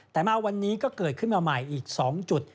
แต่มาวันนี้ก็เกิดขึ้นมาใหม่อีก๒จุด